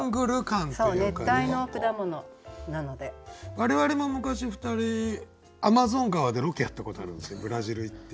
我々も昔２人アマゾン川でロケやったことあるんですけどブラジル行って。